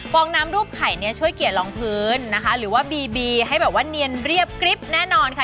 องน้ำรูปไข่เนี่ยช่วยเกลียดรองพื้นนะคะหรือว่าบีบีให้แบบว่าเนียนเรียบกริ๊บแน่นอนค่ะ